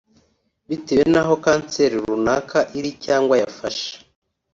bitewe n’aho kanseri runaka iri cyangwa yafashe